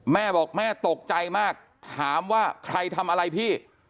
แม่บอกแม่ตกใจมากถามว่าใครทำอะไรพี่